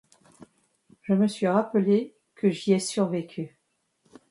Je me suis rappelé que j'y ai survécu.